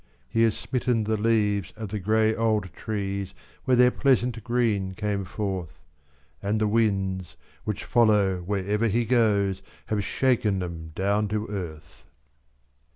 He has smitten the leaves of the gray old trees where their pleasant green came forth, And the winds, which follow wherever he goes, have shaken them down to earth.